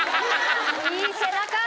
いい背中！